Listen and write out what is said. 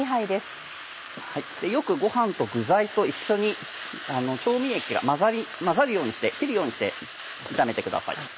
よくご飯と具材と一緒に調味液が混ざるようにして切るようにして炒めてください。